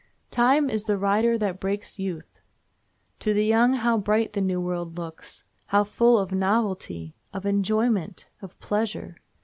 "Time is the rider that breaks youth." To the young how bright the new world looks! how full of novelty! of enjoyment! of pleasure!